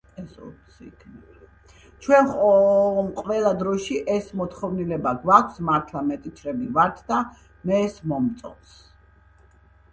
ჩვენ ხომ ყველა დროში ეს მოთხოვნილება გვაქვს, მართლა მეტიჩრები ვართ და მე ეს მომწონს.